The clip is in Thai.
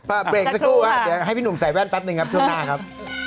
เบรกสักครู่เดี๋ยวให้พี่หนุ่มใส่แว่นแป๊บหนึ่งครับช่วงหน้าครับ